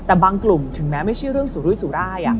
แต่บางกลุ่มถึงแม้ไม่ใช่เรื่องสุรุยสุราย